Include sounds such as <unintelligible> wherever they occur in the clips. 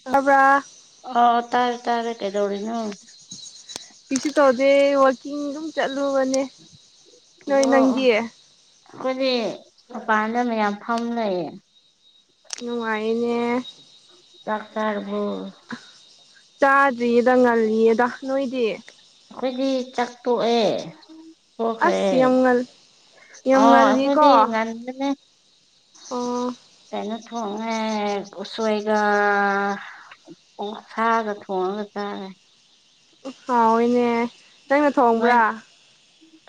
<unintelligible> ꯑꯣ ꯇꯥꯔꯦ ꯇꯥꯔꯦ ꯀꯩꯗꯧꯔꯤꯅꫭ ꯀꯤꯁꯨ ꯇꯧꯗꯦ ꯋꯥꯛꯀꯤꯡ ꯑꯗꯨꯝ ꯆꯠꯂꯨꯕꯅꯦ ꯅꯣꯏ ꯑꯣ ꯑꯣ ꯅꯪꯗꯤ ꯑꯩꯈꯣꯏꯗꯤ ꯃꯄꯥꯟꯗ ꯃꯌꯥꯝ ꯐꯝ ꯂꯩꯌꯦ ꯅꯨꯡꯉꯥꯏꯅꯦ ꯆꯥꯛ ꯆꯥꯔꯕ꯭ꯔꯣ ꯆꯥꯗ꯭ꯔꯤꯌꯦꯗ ꯉꯜꯂꯤꯌꯦꯗ ꯅꯣꯏꯗꯤ ꯑꯩꯈꯣꯏꯗꯤ ꯆꯥꯛ ꯇꯣꯛꯑꯦ ꯑꯁ ꯇꯣꯛꯈ꯭ꯔꯦ ꯌꯥꯝ ꯉꯟ ꯌꯥꯝ ꯑꯣ ꯉꯟꯂꯤꯀꯣ ꯑꯩꯈꯣꯏꯗꯤ <unintelligible> <unintelligible> ꯎꯁꯣꯏꯒ ꯑꯣ ꯁꯥꯒ ꯊꯣꯡꯉꯒ ꯆꯥꯔꯦ ꯍꯥꯎꯏꯅꯦ ꯅꯪꯅ ꯊꯣꯡꯕ꯭ꯔꯥ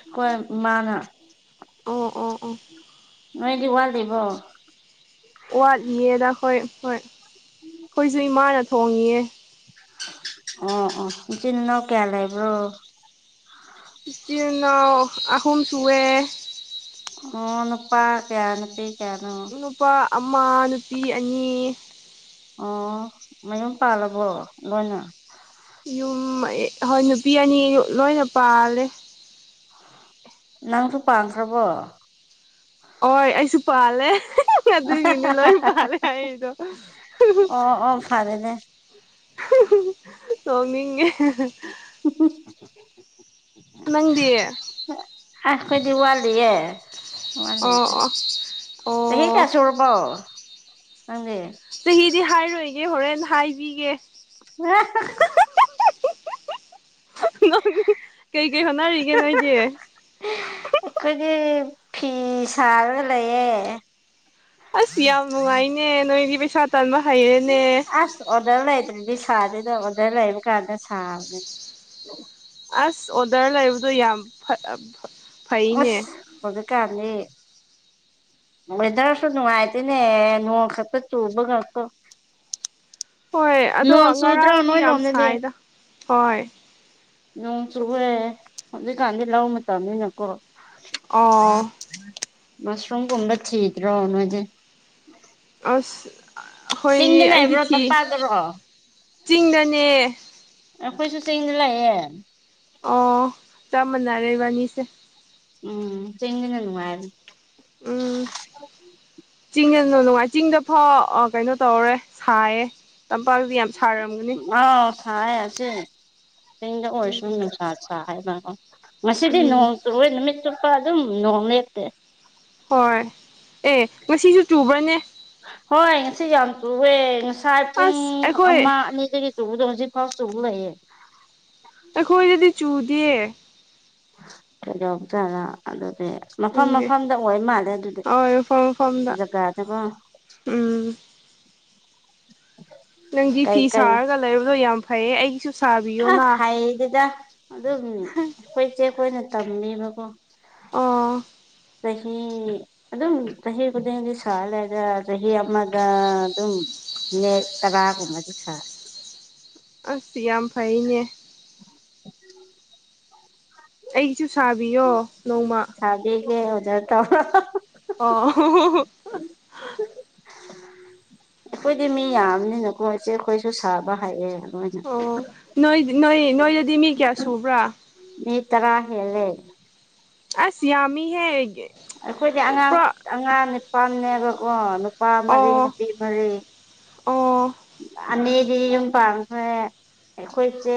ꯑꯧꯈꯣꯏ ꯃꯥꯅ ꯑꯣ ꯑꯣ ꯑꯣ ꯅꫭꯏꯗꯤ ꯋꯥꯠꯂꯤꯕꯣ ꯋꯥꯠꯂꯤꯌꯦꯗ ꯑꯩꯈꯣꯏ ꯍꯣꯏ ꯑꯩꯈꯣꯏꯁꯨ ꯏꯃꯥꯅ ꯊꯣꯡꯉꯤꯑꯦ ꯑꯣ ꯑꯣ ꯅꯆꯝꯟ ꯅꯅꯥꯎ ꯀꯌꯥ ꯂꯩꯕ꯭ꯔꯣ ꯏꯆꯤꯟ ꯏꯅꯥꯎ ꯑꯍꯨꯝ ꯁꯨꯨꯏꯌꯦ ꯑꯣ ꯅꯨꯄꯥ ꯀꯌꯥ ꯅꯨꯄꯤ ꯀꯌꯥꯅꯣ ꯅꯨꯄꯥ ꯑꯃ ꯅꯨꯄꯤ ꯑꯅꯤ ꯑꯣ ꯃꯌꯨꯝ ꯄꯥꯜꯂꯕꯣ ꯂꯣꯏꯅ ꯌꯨꯝ ꯍꯣꯏ ꯅꯨꯄꯤ ꯑꯅꯤ ꯂꯣꯏꯅ ꯄꯥꯜꯂꯦ ꯅꯪꯁꯨ ꯄꯥꯟꯈ꯭ꯔꯕꯣ ꯑꯣꯏ ꯑꯩꯁꯨ ꯄꯥꯟꯂꯦ ꯑꯗꯨꯒꯤꯅꯤ ꯂꯣꯏ ꯄꯥꯂꯦ ꯍꯥꯏꯗꯣ ꯑꯣ ꯑꯣ ꯐꯔꯦꯅꯦ ꯑꯁ ꯁꯃꯤꯒꯦ ꯆ ꯅꯪꯗꯤ ꯑꯣ ꯑꯁ ꯑꯩꯣꯏꯗꯤ ꯋꯥꯠꯂꯤꯌꯦ ꯃꯥꯗ ꯑꯣ ꯑꯣ ꯍꯒꯁꯨꯨꯔꯔꯕꯣꯪꯦ ꯆꯍꯤꯗꯤ ꯍꯥꯏꯔꯣꯏꯒꯦ ꯍꯣꯔꯦꯟ ꯍꯥꯏꯕꯤꯒꯦ ꯍ ꯅꯣꯛ ꯅꯤꯡꯉꯑꯦ ꯀꯩ ꯀꯩ ꯍꯣꯅꯔꯒꯦ ꯅꯣꯏꯗꯦ ꯑꯩꯈꯣꯏꯒꯤ ꯐꯤ ꯁꯥꯔꯒ ꯂꯩꯌꯦꯦ ꯑꯁ ꯌꯥꯝ ꯅꯨꯡꯉꯥꯏꯅꯦ ꯅꯣꯏꯗꯤ ꯄꯩꯁꯥ ꯇꯟꯕ ꯍꯩꯔꯦꯅꯦ ꯑꯁ ꯑꯣꯗꯔ ꯂꯩꯇ꯭ꯔꯗꯤ ꯁꯥꯗꯦꯗ ꯑꯣꯗꯔ ꯂꯩꯕ ꯀꯥꯟꯗ ꯁꯥꯕꯅꯦ ꯑꯁ ꯑꯣꯗꯔ ꯂꯩꯕꯗꯣ ꯌꯥꯝ ꯐꯩꯅꯦ ꯑꯁ ꯍꯧ ꯀꯥꯥꯟꯅꯤ ꯃꯣꯏꯗ꯭ꯔꯁꯨ ꯅꯨꯡꯉꯥꯏꯇꯦꯅꯦ ꯅꯣꯡ ꯈꯛꯇ ꯆꯨꯕ ꯉ ꯍꯣꯏ ꯑꯗꯣ ꯅꯣꯡ ꯆꯨꯗ꯭ꯔꯣ ꯉꯔꯥꯡꯗꯤ ꯅꯣꯏ ꯌꯥꯝ ꯂꯣꯝꯗꯗꯤ ꯁꯥꯏꯗ ꯍꯣꯏ ꯅꯣꯡ ꯆꯨꯨꯔꯦ ꯍꯧꯖꯤꯛꯀꯥꯟꯗꯤ ꯂ ꯃꯇꯝꯅꯤꯅꯤꯅꯀꯣ ꯑꯣ ꯃꯁꯔꯨꯝꯝ ꯀꯝꯕ ꯆꯗ꯭ꯔꯣ ꯅꯣꯏꯦ ꯑꯁ ꯍꯣꯏꯅꯦ ꯆꯤꯡꯗ ꯑꯩꯗꯤ ꯂꯩꯕ꯭ꯔꯣ ꯊꯤ ꯇꯝꯄꯥꯛꯇꯔꯣ ꯆꯤꯡꯗꯅꯦ ꯑꯩꯈꯣꯏꯁꯨ ꯆꯦꯡꯁ ꯂꯥꯛꯑꯦ ꯑꯣ ꯆꯞ ꯃꯅꯔꯦꯕꯅꯤꯁꯦ ꯎꯝ ꯆꯅꯅꯅꯨꯡꯉꯥꯏꯅꯤ ꯎꯝ ꯆꯤꯡꯗ ꯅꯨꯡꯉꯥꯏ ꯆꯤꯡꯗ ꯐꯥꯎ ꯀꯩꯅꯣ ꯇꯧꯔꯦ ꯁꯥꯏꯌꯦ ꯇꯝꯄꯥꯛꯗꯨ ꯌꯥꯝ ꯁꯥꯔꯝꯒꯅꯤ ꯑꯥꯎ ꯁꯔꯁꯦ ꯆꯤꯡꯗ ꯎꯝ ꯑꯣꯏꯔꯁꯨ ꯅꯨꯡꯁꯥ ꯁꯥ ꯍꯥꯏꯕꯗꯣ ꯉꯗꯤ ꯎꯝ ꯅꯣꯡ ꯆꯨꯔꯣꯏ ꯅꯨꯃꯤꯠ ꯆꯨꯞꯄ ꯑꯗꯨꯝ ꯅꯣꯡ ꯂꯦꯞꯇꯦ ꯍꯣꯏ ꯑꯦ ꯉꯁꯤꯁꯨ ꯆꯨꯕ꯭ꯔꯅꯦ ꯍꯣꯏ ꯉꯁꯤ ꯌꯥꯝ ꯆꯨꯑꯦ ꯉꯁꯥꯏ ꯑꯁ ꯄꯨꯡ ꯑꯩꯈꯣꯏ ꯑꯃ ꯑꯅꯤꯗꯒꯤ ꯆꯗ ꯍꯧꯁꯤ ꯐꯥꯎ ꯆꯒꯎꯅꯑꯦ ꯅꯈꯣꯏꯗꯗꯤ ꯆꯨꯗꯦ ꯣꯕ ꯆꯂ ꯑꯗꯨꯗꯤ ꯃꯐꯝ ꯈꯪꯗꯦ ꯃꯐꯝꯗ ꯑꯣꯏ ꯃꯥꯜꯂꯦ ꯑꯗꯨꯗꯤ ꯍꯣꯏ ꯃꯐꯝ ꯃꯐꯝꯗ ꯖꯒꯥꯗꯨꯒ ꯎꯝ ꯅꯪꯒꯤ ꯀꯩ ꯐꯤ ꯀꯩ ꯁꯥꯔꯒ ꯂꯩꯕꯗꯣ ꯌꯥꯝ ꯐꯩꯌꯦ ꯑꯩꯒꯤꯁꯨ ꯁꯥꯕꯤꯌꯣꯅ ꯑꯁ ꯍꯥꯏꯗꯨꯗ ꯑꯗꯨꯝ ꯑꯩꯈꯣꯏ ꯆꯦꯛ ꯑꯩꯣꯏꯅ ꯇꯝꯃꯦꯕꯀꯣ ꯑꯣ ꯆꯍꯤꯍꯤ ꯑꯗꯨꯝ ꯆꯍꯤ ꯈꯨꯗꯤꯡꯒꯤ ꯁꯥꯂꯒ ꯆꯍꯤ ꯑꯃꯗ ꯑꯗꯨꯝ ꯅ ꯇꯔꯥꯒꯨꯝꯕꯗꯤ ꯁꯥ ꯑꯁ ꯌꯥꯝ ꯐꯩꯅꯦ ꯑ ꯑꯩꯒꯤꯁꯨ ꯁꯥꯕꯤꯌꯣ ꯅꯣꯡꯃ ꯦꯒꯦ ꯇꯍ--inaudible ꯑꯣ ꯑꯩꯈꯣꯏꯗꯤ ꯃꯤ ꯌꯥꯝꯕꯅꯤꯅꯀꯣ ꯏꯆꯦ ꯈꯣꯏꯁꯨ ꯁꯥꯕ ꯍꯥꯏꯑꯦ ꯂꫭꯏꯅ ꯑꯣ ꯅꯣꯏ ꯅꯣꯏ ꯅꯣꯏꯗꯗꯤ ꯃꯤ ꯀꯌꯥ ꯁꯨꯕ꯭ꯔꯥ ꯃꯤ ꯇꯔꯥ ꯍꯦꯂꯦ ꯑꯁ ꯌꯥꯝꯃꯤ ꯍꯒꯦ ꯑꯩꯈꯣꯏꯁꯦ ꯑꯉꯥꯡ ꯑꯉꯥꯡ ꯅꯤꯄꯥꯅꯦꯕꯀꯣ ꯅꯨꯄꯥ ꯃꯔꯤ ꯑꯣ ꯅꯨꯄꯤ ꯃꯔꯤ ꯑꯣ ꯑꯅꯤꯗꯤ ꯌꯨꯝ ꯄꯥꯡꯈ꯭ꯔꯦ ꯑꯩꯈꯣꯏꯁꯦ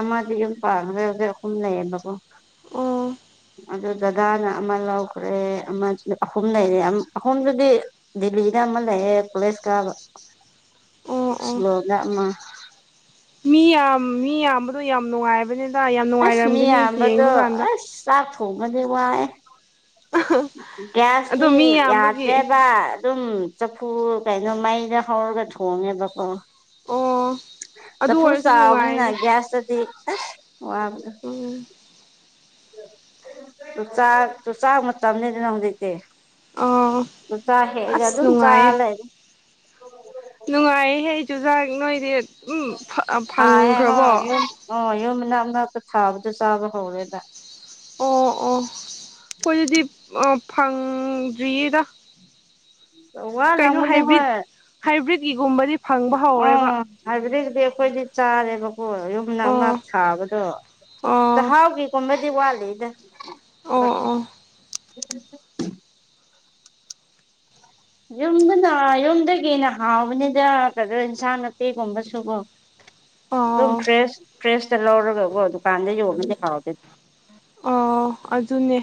ꯑꯃꯗꯤ ꯌꯨꯝ ꯄꯥꯡꯈ꯭ꯔꯦ ꯍꯧꯖꯤꯛ ꯑꯍꯨꯝ ꯂꯩꯌꯦꯕꯀꯣ ꯑꯣ ꯑꯗꯨ ꯗꯗꯥꯅ ꯑꯃ ꯂꯧꯈ꯭ꯔꯦ ꯑꯃ ꯑꯍꯨꯝ ꯂꯩꯔꯦ ꯑꯍꯨꯝꯗꯨꯗꯤ ꯗꯦꯜꯂꯤꯗ ꯑꯃ ꯂꯩꯌꯦ ꯀꯣꯂꯦꯁ ꯀꯥꯕ <inaudible> ꯑꯣ ꯁꯤꯂꯣꯡꯗ ꯑꯃ ꯃꯤ ꯌꯥꯝ ꯃꯤ ꯌꯥꯝꯕꯗꯣ ꯌꯥꯝ ꯅꯨꯡꯉꯥꯏꯕꯅꯤꯗ ꯌꯥꯝ ꯑꯁ ꯃꯤ ꯅꯨꯡꯉꯥꯏꯔꯝꯒꯅꯤ ꯌꯦꯡꯕ ꯌꯥꯝꯕꯗꯣ ꯀꯥꯟꯗ ꯑꯁ ꯆꯥꯛ ꯊꯣꯡꯕꯗꯤ ꯋꯥꯏꯑꯦ ꯒ꯭ꯌꯥꯁꯇꯤ ꯑꯗꯣ ꯃꯤ ꯌꯥꯝꯕꯒꯤ ꯌꯥꯗ꯭ꯔꯦꯕ ꯑꯗꯨꯝ ꯆꯐꯨ ꯀꯩꯅꯣ ꯃꯩꯗ ꯍꯧꯔꯒ ꯊꯣꯡꯉꯦꯕꯀꯣ ꯑꯣ ꯑꯗꯨ ꯆꯐꯨ ꯑꯣꯏꯔꯁꯨ ꯆꯥꯎꯕꯅꯤꯅ ꯅꯨꯡꯉꯥꯏꯗ ꯒ꯭ꯌꯥꯁꯇꯗꯤ ꯋꯥꯕꯗꯣ ꯎꯝ ꯆꯨꯆꯥꯛ ꯆꯨꯆꯥꯛ ꯃꯇꯝꯅꯤꯗꯅ ꯍꯧꯖꯤꯛꯇꯤ ꯑꯣ ꯆꯨꯆꯥꯛ ꯍꯦꯛꯑꯒ ꯑꯁ ꯑꯗꯨꯝ ꯆꯥꯂꯩ ꯅꯨꯡꯉꯥꯏꯍꯦ ꯆꯨꯖꯥꯛ ꯅꯣꯏꯗꯤ ꯎꯝ ꯊꯥꯏꯌꯦ ꯐꯪꯈ꯭ꯔꯕꯣ ꯍꯣꯏ ꯌꯨꯝ ꯑꯣ ꯌꯨꯝ ꯃꯅꯥꯛ ꯅꯛꯇ ꯊꯥꯕꯗꯣ ꯆꯥꯕ ꯍꯧꯔꯦꯕ ꯑꯣ ꯑꯣ ꯈꯣꯏ ꯑꯗꯨꯗꯤ ꯐꯪꯗ꯭ꯔꯤꯗ ꯀꯩꯅꯣ ꯋꯥꯂꯝꯒꯅꯤ ꯍꯣꯏ ꯍꯥꯏꯕꯤꯗ ꯍꯥꯏꯕ꯭ꯔꯤꯠꯀꯤꯒꯨꯝꯕꯗꯤ ꯐꯪꯕ ꯍꯧꯔꯦꯕ ꯍꯥꯏꯕ꯭ꯔꯤꯗꯗꯤ ꯑꯩꯈꯣꯏꯗꯤ ꯆꯥꯗꯦꯕ ꯍꯣꯏ ꯌꯨꯝ ꯅꯛꯅ ꯑꯣ ꯊꯥꯕꯗꯣ ꯑꯣ ꯆꯥꯍꯥꯎꯒꯤꯒꯨꯝꯕꯗꯤ ꯋꯥꯠꯂꯤꯗ <inaudible> ꯑꯣ ꯌꯨꯝꯗꯅ ꯌꯨꯝꯗꯒꯤꯅ ꯍꯥꯎꯕꯅꯤꯗ ꯀꯩꯅꯣ ꯏꯟꯁꯥꯡ ꯅꯥꯄꯤꯒꯨꯝꯕꯁꯨꯀꯣ ꯑꯗꯨꯝ ꯑꯣ ꯑꯣ ꯐ꯭ꯔꯦꯁ ꯐ꯭ꯔꯦꯁꯇ ꯂꯧꯔꯒꯀꯣ ꯗꯨꯀꯥꯟꯗ ꯌꯣꯟꯉꯗꯤ ꯍꯥꯎꯗꯦ ꯑꯣ ꯑꯗꯨꯅꯦ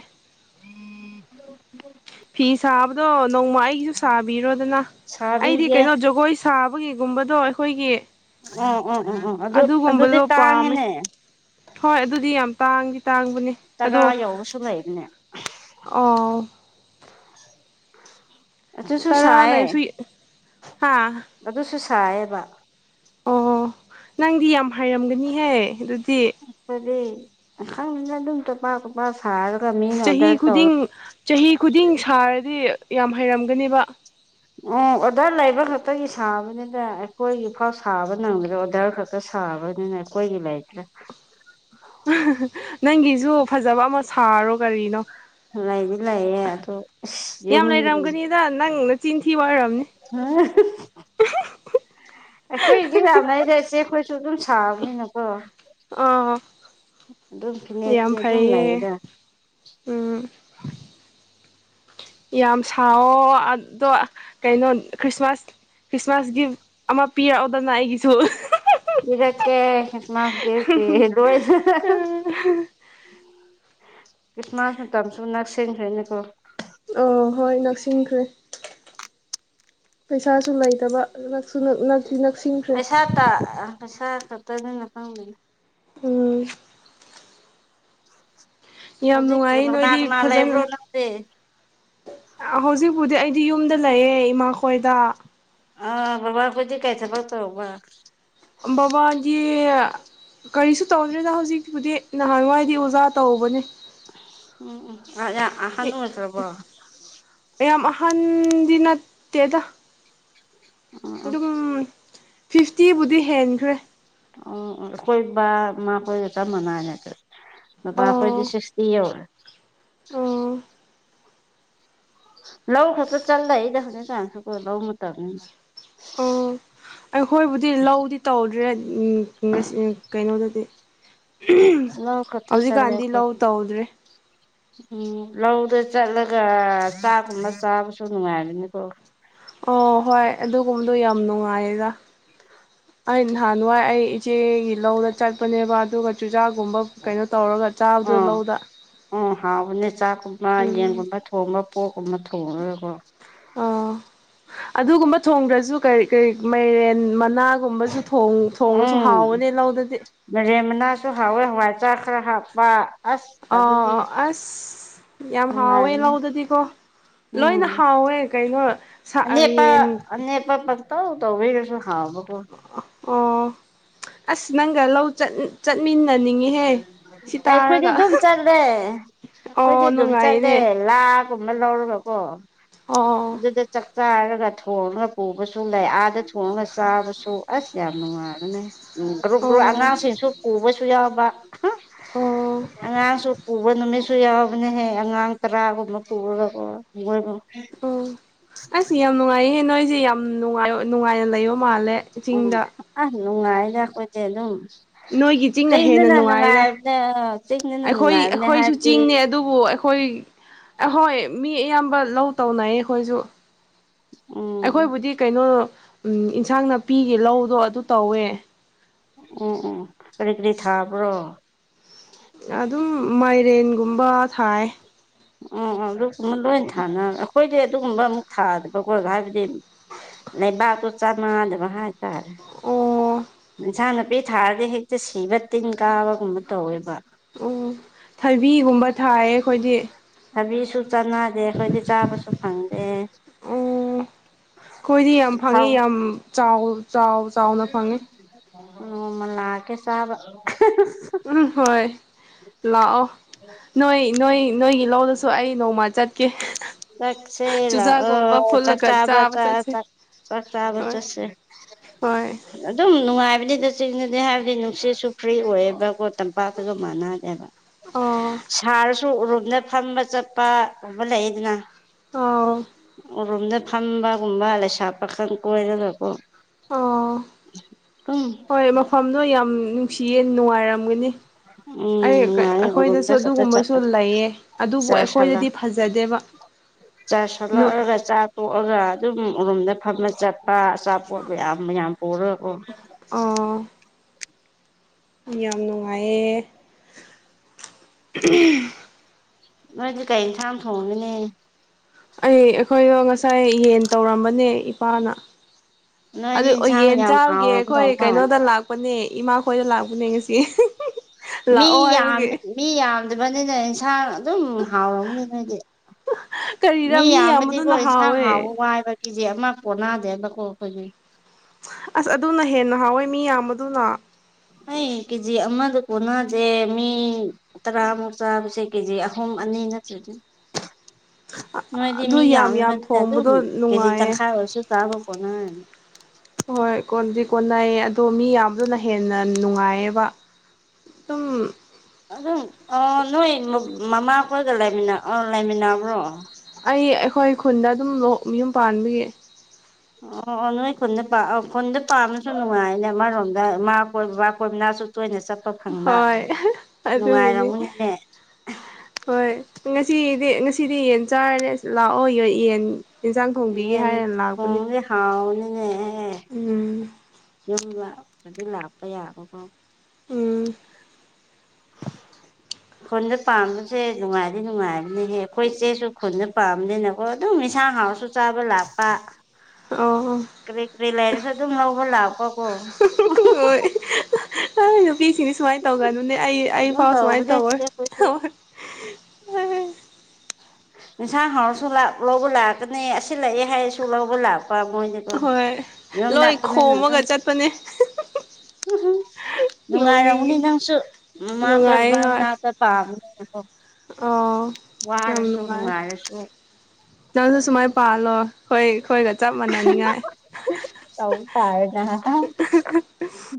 ꯐꯤ ꯁꯥꯕꯗꯣ ꯅꯣꯡꯃ ꯑꯩꯒꯤꯁꯨ ꯁꯥꯕꯤꯔꯣꯗꯅ ꯑꯩꯗꯤ ꯁꯥꯕꯤꯒꯦ ꯀꯩꯅꯣ ꯖꯒꯣꯏ ꯁꯥꯕꯒꯤꯒꯨꯝꯕꯗꯣ ꯑꯩꯈꯣꯏꯒꯤ ꯑꯣ ꯑꯣ ꯑꯣ ꯑꯣ ꯑꯗꯨ ꯑꯗꯨꯗꯤ ꯑꯗꯨꯒꯨꯝꯕꯗꯣ ꯄꯥꯝꯃꯦ ꯇꯥꯡꯉꯤꯅꯦ ꯍꯣꯏ ꯑꯗꯨꯗꯤ ꯌꯥꯝ ꯇꯥꯡꯗꯤ ꯇꯥꯡꯕꯅꯦ ꯇꯔꯥ ꯑꯗꯣ ꯌꯧꯕꯁꯨ ꯂꯩꯕꯅꯦ ꯑꯣ <inaudible> ꯇꯔꯥ ꯁꯥꯏꯌꯦ ꯂꯩꯔꯁꯨ ꯍꯥ ꯑꯗꯨꯁꯨ ꯁꯥꯏꯌꯦꯕ ꯑꯣ ꯅꯪꯗꯤ ꯌꯥꯝ ꯍꯥꯏꯔꯝꯒꯅꯤꯍꯦ ꯑꯗꯨꯗꯤ ꯗꯤ ꯈꯪꯗꯦꯗ ꯑꯗꯨꯝ ꯆꯄꯥꯛ ꯆꯄꯥꯛ ꯁꯥꯔꯒ ꯃꯤꯅ ꯆꯍꯤ ꯑꯣꯔꯗꯔ ꯇꯧꯔ ꯈꯨꯗꯤꯡ ꯆꯍꯤ ꯈꯨꯗꯤꯡ ꯁꯥꯔꯗꯤ ꯌꯥꯝ ꯍꯩꯔꯝꯒꯅꯦꯕ ꯑꯣ ꯑꯣꯔꯗꯔ ꯂꯩꯕ ꯈꯛꯇꯒꯤ ꯁꯥꯕꯅꯤꯅ ꯑꯩꯈꯣꯏꯒꯤꯐꯥꯎ ꯁꯥꯕ ꯅꯪꯒꯗꯦ ꯑꯣꯔꯗꯔ ꯈꯛ ꯇ ꯁꯥꯕꯅꯤꯅ ꯑꯩꯈꯣꯏꯒꯤ ꯂꯩꯇ꯭ꯔꯦ ꯅꯪꯒꯤꯁꯨ ꯐꯖꯕ ꯑꯃ ꯁꯥꯔꯣ ꯀꯔꯤꯅꯣ ꯂꯩꯗꯤ ꯂꯩꯌꯦ ꯑꯗꯣ ꯑꯁ ꯌꯨꯝ ꯌꯥꯝ ꯂꯩꯔꯝꯒꯅꯤꯗ ꯅꯪ ꯅꯆꯤꯟꯊꯤꯕ ꯑꯣꯏꯔꯝꯅꯤ <unintelligible> ꯑꯩꯈꯣꯏꯗꯤ ꯌꯥꯝ ꯂꯩꯗ ꯏꯆꯦꯈꯣꯏꯁꯨ ꯑꯗꯨꯝ ꯁꯥꯕꯅꯤꯅꯀꯣ ꯑꯗꯨꯝ ꯑꫭ ꯌꯥꯝ ꯐꯤꯅꯦꯠꯇꯤ ꯑꯗꯨꯝ ꯐꯩꯌꯦ ꯂꯩꯗ ꯎꯝ ꯌꯥꯝ ꯁꯥꯋꯣ ꯑꯗꯣ ꯀꯩꯅꯣ ꯈ꯭ꯔꯤꯁꯃꯥꯁ ꯈ꯭ꯔꯤꯁꯃꯥꯁ ꯒꯤꯐ ꯑꯃ ꯄꯤꯔꯛꯑꯣꯗꯅ ꯑꯩꯒꯤꯁꯨ ꯄꯤꯔꯛꯀꯦ ꯈꯤꯁꯃꯥꯁ ꯒꯤꯐꯀꯤ <unintelligible> ꯈ꯭ꯔꯤꯁꯃꯥꯁ ꯃꯇꯝꯁꯨ ꯅꯛꯁꯦꯡꯈ꯭ꯔꯦꯅꯦꯀꯣ ꯑꯣ ꯍꯣꯏ ꯅꯛꯁꯤꯟꯈ꯭ꯔꯦ ꯄꯩꯁꯥꯁꯨ ꯂꯩꯇꯕ ꯅꯛꯁꯨ ꯅꯛꯇꯤ ꯅꯛꯁꯤꯡ ꯄꯩꯁꯥ ꯇ ꯑ ꯄꯩꯁꯥ ꯈꯛꯇꯗꯅ <unintelligible> ꯎꯝ ꯌꯥꯝ ꯍꯧꯖꯤꯛ ꯅꯨꯡꯉꯥꯏꯌꯦ ꯀꯅꯥ ꯅꯣꯏꯗꯤ ꯀꯅꯥ ꯐꯖꯅ ꯂꯩꯕ꯭ꯔꯣ ꯅꯪꯗꯤ ꯍꯧꯖꯤꯛꯄꯨꯗꯤ ꯑꯩꯗꯤ ꯌꯨꯝꯗ ꯂꯩꯌꯦ ꯏꯃꯥ ꯈꯣꯏꯗ ꯑ ꯕꯥꯕꯥ ꯈꯣꯏꯗꯤ ꯀꯩ ꯊꯕꯛ ꯇꯧꯕ ꯕꯥꯕꯥꯗꯤ ꯀꯔꯤꯁꯨ ꯇꯧꯗ꯭ꯔꯤꯗ ꯍꯧꯖꯤꯛꯄꯨꯗꯤ ꯅꯍꯥꯟꯋꯥꯏꯗꯤ ꯑꯣꯖꯥ ꯇꯧꯕꯅꯦ ꯎꯝ ꯎꯝ ꯑꯔꯦ ꯑꯍꯟ ꯑꯣꯏꯈ꯭ꯔꯕꯣ ꯌꯥꯝ ꯑꯍꯟꯗꯤ ꯅꯠꯇꯦꯗ ꯎꯝ ꯎꯝ ꯑꯗꯨꯝ ꯐꯤꯐꯇꯤꯕꯨꯗꯤ ꯍꯦꯟꯈ꯭ꯔꯦ ꯑꯣ ꯑꯣ ꯑꯩꯈꯣꯏ ꯕꯥ ꯃꯥ ꯈꯣꯏꯒ ꯆꯝ ꯃꯅꯥꯔꯦ ꯑꯗꯨ ꯕꯥꯕꯥꯈꯣꯏꯗꯤ ꯑꯣ ꯁꯤꯛꯁꯇꯤ ꯌꯧꯔꯦ ꯑꯣ ꯂꯧ ꯈꯛꯇ ꯆꯠ ꯂꯩꯌꯦꯗ ꯍꯧꯖꯤꯛꯀꯥꯟꯁꯨ ꯀꯣ ꯂꯧ ꯃꯇꯝꯅꯤꯅ ꯎꯝ ꯑꯩꯈꯣꯏꯕꯨꯗꯤ ꯂꯧꯗꯤ ꯇꯧꯗ꯭ꯔꯦ ꯎꯝ ꯉꯁꯤ ꯎꯝ ꯀꯩꯅꯣꯗꯗꯤ ꯂꯧ ꯈꯛꯇ ꯆꯠꯂꯦ ꯍꯧꯖꯤꯛꯀꯥꯟꯗꯤ ꯂꯧ ꯑꯩꯈꯣꯏꯗꯤ ꯇꯧꯗ꯭ꯔꯦ ꯎꯝ ꯂꯧꯗ ꯆꯠꯂꯒ ꯆꯥꯛꯒꯨꯝꯕ ꯆꯥꯕꯁꯨ ꯅꯨꯡꯉꯥꯏꯕꯅꯤꯀꯣ ꯑꯣ ꯍꯣꯏ ꯑꯗꯨꯒꯨꯝꯕꯗꯣ ꯌꯥꯝ ꯅꯨꯡꯉꯥꯏꯌꯦꯗ ꯑꯩ ꯅꯍꯥꯟꯋꯥꯏ ꯑꯩ ꯏꯆꯦꯒꯤ ꯂꯧꯗ ꯆꯠꯄꯅꯦꯕ ꯑꯗꯨꯒ ꯆꯨꯖꯥꯛꯀꯨꯝꯕ ꯀꯩꯅꯣ ꯇꯧꯔꯒ ꯆꯥꯕꯗꯨ ꯑꯥ ꯂꯧꯗ ꯎꯝ ꯍꯥꯎꯕꯅꯦ ꯆꯥꯛꯀꯨꯝꯕ ꯎꯝ ꯌꯦꯟꯒꯨꯝꯕ ꯊꯣꯡꯕ ꯄꯣꯛꯀꯨꯝꯕ ꯊꯣꯡꯉꯒꯀꯣ ꯑꯣ ꯑꯗꯨꯒꯨꯝꯕ ꯊꯣꯡꯗ꯭ꯔꯁꯨ ꯀꯔꯤ ꯀꯔꯤ ꯃꯥꯏꯔꯦꯟ ꯃꯅꯥ ꯒꯨꯝꯕꯁꯨ ꯊꯣꯡ ꯊꯣꯡꯉꯁꯨ ꯎꯝ ꯍꯥꯎꯕꯅꯦ ꯂꯧꯗꯗꯤ ꯃꯥꯏꯔꯦꯟ ꯃꯅꯥꯁꯨ ꯍꯥꯎꯋꯦ ꯍꯋꯥꯏ ꯆꯛ ꯈꯔ ꯍꯥꯞꯄ ꯑꯁ ꯑꯗꯨꯗꯤ ꯑꯣ ꯑꯁ ꯌꯥꯝ ꯍꯥꯎꯋꯦ ꯅꯨꯡꯉꯥꯏꯕꯅꯦ ꯂꯧꯗꯗꯤꯀꯣ ꯂꯣꯏꯅ ꯎꯝ ꯍꯥꯎꯋꯦ ꯀꯩꯅꯣ ꯁꯥꯛꯑ ꯌꯦꯟ ꯄꯠ ꯄꯪꯇꯧ ꯇꯧꯋꯦꯒꯁꯨ ꯍꯥꯥꯎꯕꯀꯣ ꯑꯣ ꯑꯁ ꯅꯪꯒ ꯂꯧ ꯆꯠ ꯑꯩꯈꯣꯏꯗꯤ ꯇꯥꯔꯒ ꯑꯗꯨꯝ ꯆꯠꯂꯦ ꯑꯩꯈꯣꯏꯗꯤ ꯑꯣ ꯑꯗꯨꯝ ꯆꯠꯂꯦ ꯅꯨꯡꯉꯥꯏꯅꯦ ꯂꯥꯒꯨꯝꯕ ꯂꯧꯔꯒꯀꯣ ꯑꯣ ꯑꯗꯨꯗ ꯆꯥꯛ ꯆꯥꯔꯒ ꯊꯣꯡꯉꯒ ꯄꯨꯕꯁꯨ ꯂꯩ ꯑꯥꯗ ꯊꯣꯡꯉꯒ ꯆꯥꯕꯁꯨ ꯑꯁ ꯌꯥꯝ ꯅꯨꯡꯉꯥꯏꯕꯅꯦ ꯎꯝ ꯒ꯭ꯔꯨꯞ ꯒ꯭ꯔꯨꯞ ꯑꯣ ꯑꯉꯥꯡꯁꯤꯡꯁꯨ ꯄꯨꯕꯁꯨ ꯌꯥꯎꯕ ꯑꯣ ꯑꯉꯥꯡꯁꯨ ꯎꯕ ꯅꯨꯃꯤꯠꯁꯨ ꯌꯥꯎꯕꯅꯦꯍꯦ ꯑꯉꯥꯡ ꯇꯔꯥꯒꯨꯝꯕ ꯄꯨꯔꯒꯀꯣ ꯃꯣꯏꯕꯨ ꯑꯣ ꯑꯁ ꯌꯥꯝ ꯅꯨꯡꯉꯥꯏꯌꯦꯍꯦ ꯅꯣꯏꯁꯦ ꯌꯥꯝ ꯅꯨꯡꯉꯥꯏ ꯅꯨꯡꯉꯥꯏꯅ ꯂꯩꯌꯣ ꯃꯥꯜꯂꯦ ꯆꯤꯡꯗ ꯑ ꯅꯨꯡꯉꯥꯏꯗ ꯑꯈꯣꯏꯗꯤ ꯑꯗꯨꯝ ꯅꯣꯏꯒꯤ ꯆꯤꯡꯅ ꯍꯦꯟꯅ ꯆꯤꯡꯗꯅ ꯅꯨꯡꯉꯥꯏꯗ ꯅꯨꯡꯉꯥꯏꯕꯅꯦ ꯆꯤꯡꯗꯅ ꯑꯩꯈꯣꯏ ꯅꯨꯡꯉꯥꯏꯕꯅꯦ ꯑꯩꯈꯣꯏꯁꯨ ꯍꯥꯏꯕꯗꯤ ꯆꯤꯡꯅꯦ ꯑꯗꯨꯕꯨ ꯑꯩꯈꯣꯏ ꯑꯍꯣꯏ ꯃꯤ ꯑꯌꯥꯝꯕ ꯂꯧ ꯇꯧꯅꯩꯌꯦ ꯑꯩꯈꯣꯏꯁꯨ ꯎꯝ ꯑꯩꯈꯣꯏꯕꯨꯗꯤ ꯀꯩꯅꯣ ꯎꯝ ꯑꯦꯟꯁꯥꯡ ꯅꯥꯄꯤꯒꯦ ꯂꯧꯗꯣ ꯑꯗꯨ ꯇꯧꯋꯦ ꯎꯝ ꯎꯝ ꯀꯔꯤ ꯀꯔꯤ ꯊꯥꯕ꯭ꯔꯣ ꯑꯗꯨꯝ ꯃꯥꯏꯔꯦꯟꯒꯨꯝꯕ ꯊꯥꯏ ꯑꯣ ꯑꯣ ꯑꯗꯨꯒꯨꯝꯕ ꯂꯣꯏ ꯊꯥꯅ ꯑꯩꯈꯣꯏꯗꯤ ꯑꯗꯨꯒꯨꯝꯕ ꯑꯃꯨꯛ ꯊꯥꯗꯕꯀꯣ ꯍꯥꯏꯕꯗꯤ ꯂꯩꯕꯥꯛꯇꯣ ꯆꯥꯟꯅꯗꯕ ꯍꯥꯏ ꯑꯣ <unintelligible> ꯄꯤ ꯊꯥꯔꯗꯤ ꯍꯦꯛꯇ ꯁꯤꯕ ꯇꯤꯟ ꯀꯥꯕꯒꯨꯝꯕ ꯇꯧꯋꯦꯕ ꯎꯝ ꯊꯕꯤꯒꯨꯝꯕ ꯊꯥꯏꯌꯦ ꯑꯩꯈꯣꯏꯗꯤ ꯊꯕꯤꯁꯨ ꯆꯠꯅꯠ ꯗꯦ ꯑꯩꯈꯣꯏꯗꯤ ꯆꯥꯕꯁꯨ ꯐꯪꯗꯦ ꯑꯣ ꯑꯩꯈꯣꯏꯗꯤ ꯊꯥꯎ ꯆꯥꯎꯜ ꯅꯣꯡꯃꯥ ꯂꯥꯛꯀꯦ ꯆꯥꯕ ꯎꯝ ꯍꯣꯏ ꯂꯥꯛꯑꯣ ꯅꯣꯏ ꯅꯣꯏ ꯅꯣꯏꯒꯤ ꯂꯧꯗꯁꯨ ꯑꯩ ꯅꯣꯡꯃ ꯆꯠꯀꯦ ꯆꯠꯁꯦ ꯆꯨꯖꯥꯛꯒꯨꯝꯕ ꯂꯥꯛꯑꯣ ꯐꯨꯠꯂꯒ ꯆꯥꯛꯆꯥꯕ ꯆꯥꯕ ꯆ ꯑ ꯆꯠꯁꯦ ꯆꯠ ꯆꯥꯛ ꯆꯥꯕ ꯍꯣꯏ ꯆꯠꯁꯦ ꯍꯣꯏ ꯑꯗꯨꯝ ꯅꯨꯡꯉꯥꯏꯕꯅꯤꯗ ꯆꯤꯡꯗꯗꯤ ꯍꯥꯏꯕꯗꯤ ꯅꯨꯡꯁꯤꯠꯁꯨ ꯐ꯭ꯔꯤ ꯑꯣꯏꯌꯦꯕꯀꯣ ꯇꯝꯄꯥꯛꯇꯒ ꯃꯥꯟꯅꯗꯦꯕ ꯑꯣ ꯁꯥꯔꯁꯨ ꯑ ꯑꯔꯨꯝꯗ ꯐꯝꯕ ꯆꯠꯄ ꯎꯨꯝꯕ ꯂꯩꯗꯅ ꯑꯥꯎ ꯔꯨꯝꯗ ꯐꯝꯕꯒꯨꯝꯕ ꯂꯩꯁꯥ ꯄꯥ ꯈꯪ ꯀꯣꯏꯔꯒꯀꯣ ꯑꯣ ꯑꯗꯨꯝ ꯍꯣꯏ ꯃꯐꯝꯗꯣ ꯌꯥꯝ ꯅꯨꯡꯁꯤꯌꯦ ꯅꯨꯡꯉꯥꯏꯔꯝꯒꯅꯤ ꯎꯝ ꯑꯩ ꯅꯨꯡꯉꯥꯏ ꯑꯩꯈꯣꯏꯗꯁꯨ ꯎꯔꯨꯝꯗ ꯈꯛꯇ ꯑꯗꯨꯒꯨꯝꯕꯁꯨ ꯆꯠꯄꯗꯤ ꯂꯩꯌꯦ ꯑꯗꯨꯕꯨ ꯆꯔꯁ ꯑꯩꯈꯣꯏꯗꯗꯤ ꯐꯖꯗꯦꯕ ꯆꯥꯁꫭꯛꯂꯛꯑꯒ ꯆꯥꯛ ꯇꯣꯛꯑꯒ ꯑꯗꯨꯝ ꯔꯨꯝꯗ ꯐꯝꯅ ꯆꯠꯄ ꯑꯆꯥꯄꯣꯠ ꯃꯌꯥꯝ ꯃꯌꯥꯝ ꯄꯨꯔꯒꯀꯣ ꯑꫭ ꯌꯥꯝ ꯅꯨꯡꯉꯥꯏꯌꯦ ꯅꯣꯏꯗꯤꯦ ꯀꯩ ꯌꯦꯟꯁꯥꯡ ꯊꯣꯡꯒꯅꯤ ꯑꯩ ꯑꯩꯈꯣꯏꯗꯣ ꯉꯁꯥꯏ ꯌꯦꯟ ꯇꯧꯔꯝꯕꯅꯦ ꯏꯄꯥꯅ ꯅꯣꯏꯗꯤ ꯑꯗꯨ ꯏꯟꯁꯥꯡ ꯌꯦꯟ ꯌꯥꯝ ꯆꯥꯔꯨꯒꯦ ꯍꯥꯎꯔꯝꯗꯧ ꯑꯩꯈꯣꯏ ꯃꯥꯜꯂꯦ ꯀꯩꯅꯣꯗ ꯂꯥꯛꯄꯅꯦ ꯏꯃꯥ ꯈꯣꯏꯗ ꯂꯥꯛꯄꯅꯦ ꯉꯁꯤ ꯃꯤ ꯂꯥꯛꯑꯣ ꯌꯥꯝꯕ ꯍꯥꯏꯕꯒꯤ ꯃꯤ ꯌꯥꯝꯗꯕꯅꯤꯅ ꯏꯟꯁꯥꯡ ꯑꯗꯨꯝ ꯍꯥꯎꯔꯧꯅꯤ ꯅꯣꯏꯗꯤ ꯀꯔꯤꯔꯥ ꯃꯤ ꯌꯥꯝꯕꯗꯅ ꯍꯥꯎꯋꯦ ꯀꯦꯖꯤꯦ ꯑꯃ ꯄꯣꯟꯅꯥꯗꯦꯕꯀꯣ ꯑꯩꯈꯣꯏꯒꯤꯦ ꯑꯁ ꯑꯗꯨꯅ ꯍꯦꯟꯅ ꯍꯥꯎꯋꯦ ꯃꯤ ꯌꯥꯝꯕꯗꯨꯅ ꯑꯩ ꯀꯦꯖꯤ ꯑꯃꯗ ꯀꯣꯟꯅꯁꯦ ꯃꯤ ꯇꯔꯥꯃꯨꯛ ꯆꯥꯕꯁꯦ ꯀꯦꯖꯤ ꯑꯍꯨꯝ ꯑꯅꯤ ꯅꯠꯇ꯭ꯔꯗꯤꯅ <inaudible> ꯅꯣꯏꯗꯤ ꯑꯗꯨ ꯃꯤ ꯌꯥꯝ ꯌꯥꯝ ꯌꯥꯝꯕꯅꯤꯅ ꯑꯗꯨꯝ ꯊꯣꯡꯕꯗꯣ ꯀꯦꯖꯤ ꯅꯨꯡꯉꯥꯏꯌꯦ ꯇꯪꯈꯥꯏ ꯑꯣꯏꯔꯁꯨ ꯆꯥꯕꯀꯣꯠꯅ ꯍꯣꯏ ꯀꯣꯟꯗꯤ ꯀꯣꯟꯅꯩꯌꯦ ꯑꯗꯣ ꯃꯤ ꯌꯥꯝꯕꯗꯨꯅ ꯍꯦꯟꯅ ꯅꯨꯡꯉꯥꯏꯌꯦꯕ ꯑꯗꯨꯝ ꯑꯗꯨꯝ ꯑꫭ ꯅꯣꯏ ꯃꯃꯥꯈꯣꯏꯒ ꯂꯩꯃꯤꯟꯅ ꯑ ꯂꯩꯃꯤꯟꯅꯕ꯭ꯔꯣ ꯑꯩ ꯑꯩꯈꯣꯏ ꯈꯨꯟꯗ ꯑꯗꯨꯝ ꯌꯨꯝ ꯄꯥꯟꯕꯒꯤ ꯑꯣ ꯑꯣ ꯅꯣꯏ ꯈꯨꯟꯗ ꯄꯥ ꯈꯨꯟꯗ ꯄꯥꯝꯅꯁꯨ ꯅꯨꯡꯉꯥꯏꯅꯦ ꯑꯃꯔꯣꯝꯗ ꯏ ꯃꯥꯥ ꯀꯣꯏ ꯕꯕꯥ ꯀꯣꯏꯕꯅꯥꯁꯨ ꯇꯣꯏꯅ ꯆꯠꯄ ꯐꯪꯕ ꯍꯣꯏ ꯑꯗꯨꯒꯤꯅꯤ ꯅꯨꯡꯉꯥꯏꯔꯎꯅꯅꯦ ꯍꯣꯏ ꯉꯁꯤꯗꯤ ꯉꯁꯤꯗꯤ ꯌꯦꯟ ꯆꯥꯔꯅꯤ ꯑꯁ ꯂꯥꯛꯑꯣ ꯌ ꯌꯦꯟ ꯏꯟꯁꯥꯡ ꯊꯣꯡꯕꯤꯒꯦ ꯍꯥꯏꯔꯅ ꯂꯥꯛꯄꯅꯤ ꯍꯥꯎꯅ ꯎꯝ ꯌꯨꯝ ꯂꯄꯗꯤ ꯂꯥꯛꯄ ꯌꯥꯕꯀꯣ ꯎꯝ <inaudible> ꯈꯨꯟꯗ ꯄꯥꯝꯕꯁꯦ ꯅꯨꯡꯉꯥꯏꯗꯤ ꯅꯨꯡꯉꯥꯏꯕꯅꯤꯍꯦ ꯑꯩꯈꯣꯏ ꯏꯆꯦꯁꯨ ꯈꯨꯟꯗ ꯄꯥꯝꯕꯅꯤꯅꯀꯣ ꯑꯗꯨꯝ ꯁꯥꯡ ꯍꯥꯎꯔꯁꯨ ꯆꯥꯕ ꯂꯥꯛꯄ ꯑꯣ ꯀꯔꯤ ꯀꯔꯤ ꯂꯩꯔꯁꯨ ꯑꯗꯨꯝ ꯂꯧꯕ ꯂꯥꯛꯄ ꯀꯣ ꯍꯣꯏ ꯅꫭꯏ ꯅꯨꯄꯤꯁꯤꯅꯤ ꯁꯨꯃꯥꯏꯅ ꯇꯧꯒꯅꯨꯅꯦ ꯑꯩ ꯑꯩ ꯑꯗꯨꯝ ꯐꯥꯎ ꯁꯨꯃꯥꯏꯅ ꯇꯧꯕꯅꯦ ꯇꯧꯋꫭꯏ ꯏꯆꯦ ꯈꯣꯏꯁꯨ ꯎꯝ ꯏꯟꯁꯥꯡ ꯍꯥꯎꯔꯁꯨ ꯂꯧꯕ ꯂꯥꯛꯀꯅꯤ ꯑꯁꯤ ꯂꯥꯛꯑꯦ ꯍꯥꯏꯔꯁꯨ ꯂꯧꯕ ꯂꯥꯛꯄ ꯃꯣꯏ ꯍꯣꯏ ꯌꯎ ꯂꯣꯏ ꯅꯥꯀ ꯅ ꯅ ꯈꯣꯝꯃꯒ ꯆꯠꯄꯅꯦ ꯎ ꯅꯨꯡꯉꯥꯏꯔꯝꯃꯅꯤ ꯅꯣꯡꯅꯤꯡꯉꯤ ꯅꯪꯁꯨ ꯅꯨꯡꯉꯥꯏ ꯍꯣꯏ ꯃꯃꯥꯈꯣꯏꯅꯥ ꯄꯥꯝ ꯑꯣ ꯌꯥꯝ ꯅꯨꯡꯉꯥꯏ ꯅꯨꯡꯉꯥꯏꯔꯁꯨ ꯅꯪꯁꯨ ꯁꯨꯃꯥꯏꯅ ꯄꯥꯂꯣꯏ ꯍꯣꯏ ꯑꯩꯈꯣꯏꯒ ꯆꯞ ꯃꯥꯟꯅꯅꯤꯡꯉꯥꯏ ꯇꯧ ꯇꯔꯦꯅ ꯀ